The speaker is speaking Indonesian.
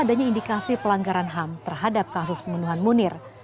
adanya indikasi pelanggaran ham terhadap kasus pembunuhan munir